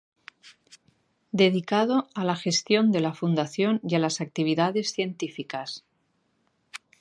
Dedicado a la gestión de la Fundación y a las actividades científicas.